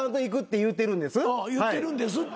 言ってるんですって。